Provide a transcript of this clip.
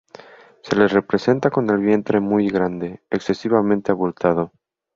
Se le representa con el vientre muy grande excesivamente abultado.